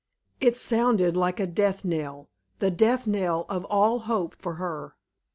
It sounded like a death knell the death knell of all hope for her.